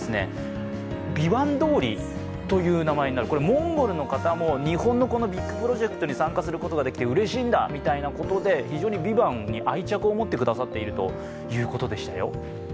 モンゴルの方も日本のビッグプロジェクトに参加することができてうれしいんだみたいなことで非常に「ＶＩＶＡＮＴ」に愛着を持ってくださっているということですよ